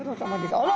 あら！